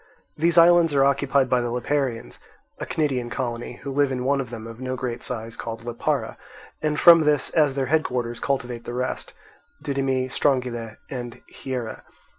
These islands are occupied by the Liparaeans, a Cnidian colony, who live in one of them of no great size called Lipara; and from this as their headquarters cultivate the rest, Didyme, Strongyle, and Hiera.